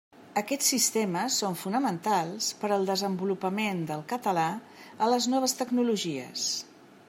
Aquests sistemes són fonamentals per al desenvolupament del català a les noves tecnologies.